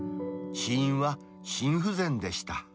死因は心不全でした。